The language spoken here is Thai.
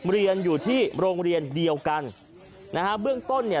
เรียนอยู่ที่โรงเรียนเดียวกันนะฮะเบื้องต้นเนี่ย